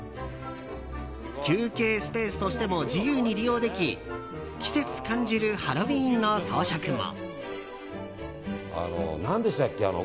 休憩スペースとしても自由に利用でき季節感じるハロウィーンの装飾も。